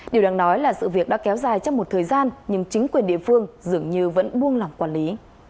điều đáng nói là sự việc đã kéo dài trong một thời gian nhưng chính quyền địa phương dường như vẫn buông lỏng quản lý